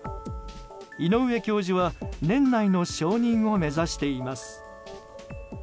井上教授は年内の承認を目指しています。